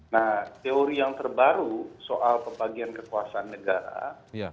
nah teori yang terbaru soal pembagian kekuasaan negara